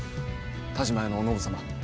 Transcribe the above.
田嶋屋のお信様。